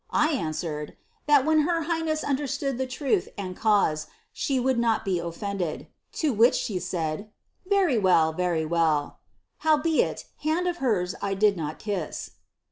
I answered, ^ that when her highness understood truth and cause, she would not be offended.' To which she said, ry well, very well.' Howbeit, hand of hers 1 did not kiss."